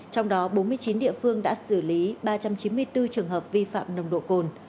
trong đó bốn mươi chín địa phương đã xử lý ba trăm chín mươi bốn trường hợp vi phạm nồng độ cồn